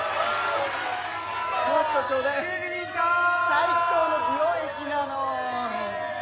最高の美容液なの。